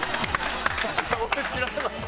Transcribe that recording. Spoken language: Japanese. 俺知らなかった。